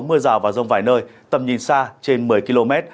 tại quần đảo hoàng sa có mưa vài nơi tầm nhìn xa trên một mươi km